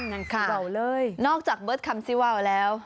นั่นก็คือคำว่า